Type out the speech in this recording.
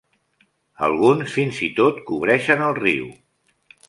Alguns fins i tot cobreixen el riu.